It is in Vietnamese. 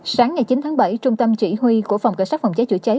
sáng ngày chín tháng bảy trung tâm chỉ huy của phòng cảnh sát phòng cháy chữa cháy